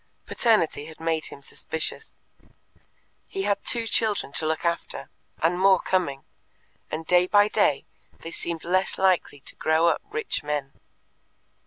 Paternity had made him suspicious. He had two children to look after, and more coming, and day by day they seemed less likely to grow up rich men.